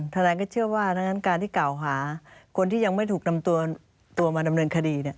ทนายก็เชื่อว่าดังนั้นการที่กล่าวหาคนที่ยังไม่ถูกนำตัวมาดำเนินคดี